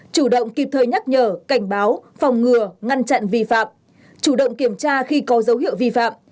chủ động kịp thời nhắc nhở cảnh báo phòng ngừa ngăn chặn vi phạm chủ động kiểm tra khi có dấu hiệu vi phạm